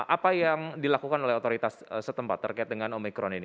apa yang dilakukan oleh otoritas setempat terkait dengan omikron ini